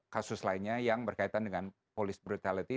kasus lainnya yang berkaitan dengan polisi brutalitas